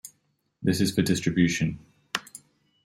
This is for distribution.